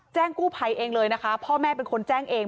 แจ้งกู้ภัยเองเลยนะคะพ่อแม่เป็นคนแจ้งเอง